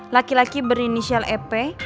laki laki berinisial ep